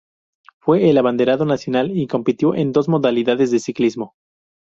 Fue el abanderado nacional y compitió en dos modalidades de ciclismo.